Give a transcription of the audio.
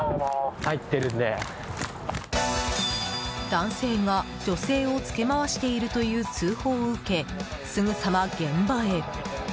男性が女性をつけ回しているという通報を受けすぐさま現場へ。